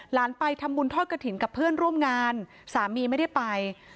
ไปทำบุญทอดกระถิ่นกับเพื่อนร่วมงานสามีไม่ได้ไป